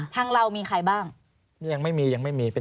ทางเรามีใครบ้าง